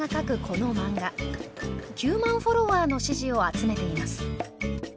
この漫画９万フォロワーの支持を集めています。